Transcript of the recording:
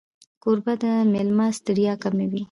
کوربه د مېلمه ستړیا کموي.